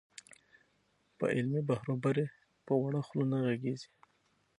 پر علمي بحروبر یې په وړه خوله نه غږېږې.